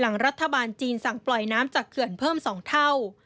หลังรัฐบาลจีนสั่งปล่อยน้ำจากเขื่อนเพิ่ม๒เท่า